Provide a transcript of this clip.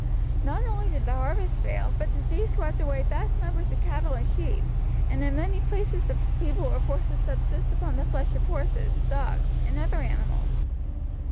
Not only did the harvest fail, but disease swept away vast numbers of cattle and sheep, and in many places the people were forced to subsist upon the flesh of horses, dogs, and other animals.